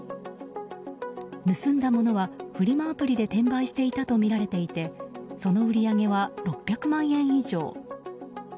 盗んだものは、フリマアプリで転売していたとみられていてその売り上げは６００万円以上。